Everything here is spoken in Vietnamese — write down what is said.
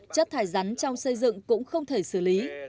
chất thải rắn trong xây dựng cũng không thể xử lý